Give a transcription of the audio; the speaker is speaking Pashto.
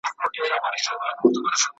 نیمه پټه په زړو څیري جامو کي `